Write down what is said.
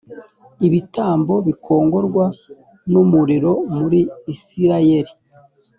ibitambo bikongorwa n umuriro muri isirayeli